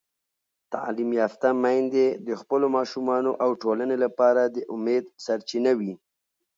تعلیم یافته میندې د خپلو ماشومانو او ټولنې لپاره د امید سرچینه وي.